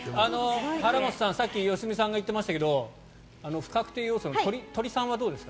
原元さん、さっき良純さんが言っていましたけど不確定要素の鳥さんはどうですか？